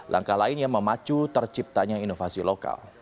langkah lain yang memacu terciptanya inovasi lokal